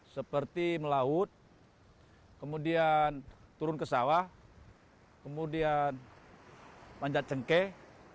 seperti melaut kemudian turun ke sawah kemudian manjat cengkeh